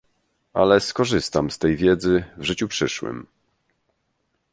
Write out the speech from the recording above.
Ale skorzystam z tej wiedzy w życiu przyszłym.